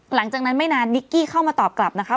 หลังจากนั้นไม่นานนิกกี้เข้ามาตอบกลับนะคะ